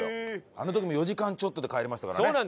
あの時も４時間ちょっとで帰れましたからね。